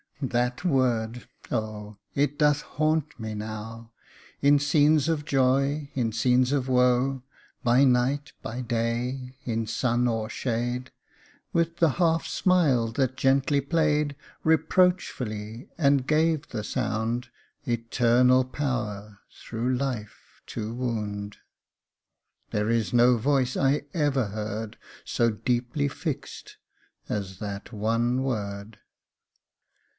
That word oh ! it doth haunt me now, In scenes of joy, in scenes of woe ; By night, by day, in sun or shade, With the half smile that gently played Reproachfully, and gave the sound Eternal power thro' life to wound. There is no voice I ever heard, So deeply fix'd as that one word. 174 THE CARELESS WORD.